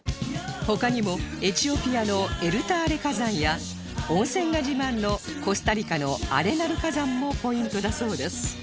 他にもエチオピアのエルタ・アレ火山や温泉が自慢のコスタリカのアレナル火山もポイントだそうです